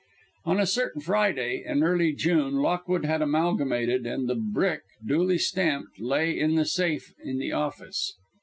On a certain Friday in early June Lockwood had amalgamated, and the brick, duly stamped, lay in the safe in the office.